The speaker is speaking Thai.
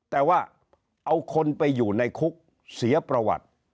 แต่ว่าเอาคนไปอยู่ในคุกเสียประวัติ